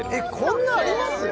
こんなあります？